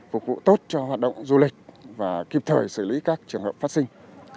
phục vụ tốt cho hoạt động du lịch và kịp thời xử lý các trường hợp phát sinh